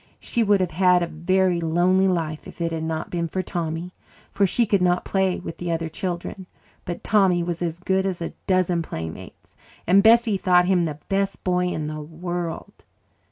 She would have had a very lonely life if it had not been for Tommy, for she could not play with the other children. But Tommy was as good as a dozen playmates, and Bessie thought him the best boy in the world.